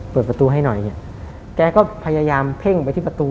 เปิดประตูให้หน่อยเนี่ยแกก็พยายามเพ่งไปที่ประตู